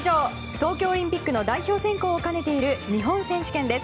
東京オリンピックの代表選考を兼ねている日本選手権です。